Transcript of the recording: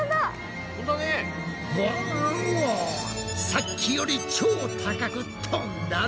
さっきより超高く飛んだぞ！